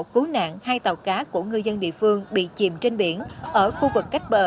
cứu nạn hai tàu cá của ngư dân địa phương bị chìm trên biển ở khu vực cách bờ